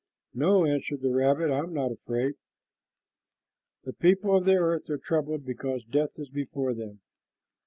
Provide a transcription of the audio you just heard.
"No," answered the rabbit, "I am not afraid." "The people on the earth are troubled because death is before them.